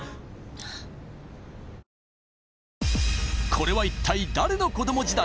これは一体誰の子ども時代？